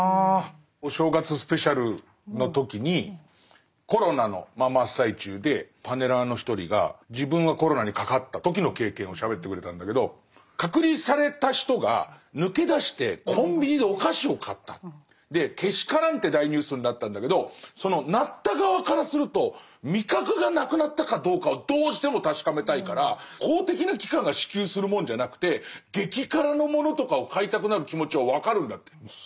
お正月スペシャルの時にコロナの真っ最中でパネラーの一人が自分がコロナにかかった時の経験をしゃべってくれたんだけど隔離された人が抜け出してコンビニでお菓子を買ったけしからんって大ニュースになったんだけどそのなった側からすると味覚がなくなったかどうかをどうしても確かめたいから公的な機関が支給するものじゃなくて激辛のものとかを買いたくなる気持ちは分かるんだって。